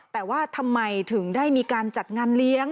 แต่ว่าทำไมถึงได้มีการจัดงานเลี้ยง